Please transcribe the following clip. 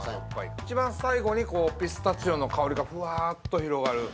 ◆一番最後にピスタチオの香りがふわぁっと広がる◆